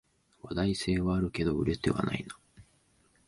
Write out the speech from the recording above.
話題性はあるけど売れてはないな